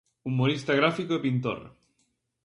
Humorista gráfico e pintor.